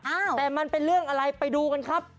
อ้าวแต่มันเป็นเรื่องอะไรไปดูกันครับ